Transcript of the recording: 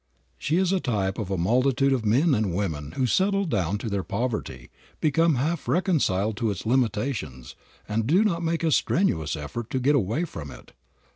She is a type of a multitude of men and women who settle down to their poverty, become half reconciled to its limitations, and do not make a strenuous effort to get away from it.